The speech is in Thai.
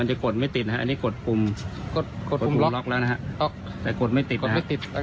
เปิดได้เหมือนเดิม